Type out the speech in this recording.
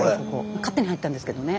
勝手に入ったんですけどね。